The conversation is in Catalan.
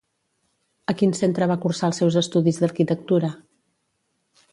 A quin centre va cursar els seus estudis d'arquitectura?